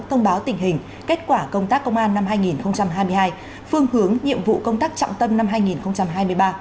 thông báo tình hình kết quả công tác công an năm hai nghìn hai mươi hai phương hướng nhiệm vụ công tác trọng tâm năm hai nghìn hai mươi ba